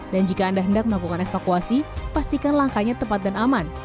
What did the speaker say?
dan jika anda hendak melakukan evakuasi pastikan langkahnya tepat dan aman